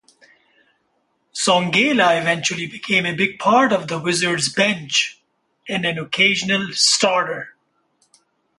Songaila eventually became a big part of the Wizards' bench and an occasional starter.